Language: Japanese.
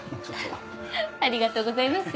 ありがとうございます。